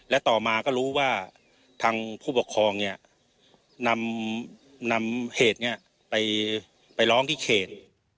และต่อมาก็รู้ว่าทางผู้ปกครองเนี่ยนำเหตุไปร้องที่เขต